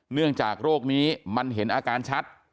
เนื่องจากโรคนี้มันเห็นอาการชัด